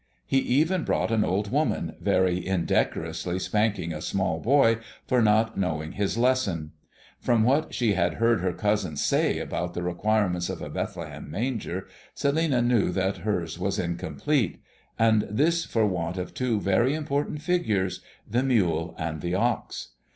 He even brought an old woman very indecorously spanking a small boy for not knowing his lesson. From what she had heard her cousins say about the requirements of a Bethlehem manger, Celinina knew that hers was incomplete, and this for want of two very important figures, the Mule and the Ox.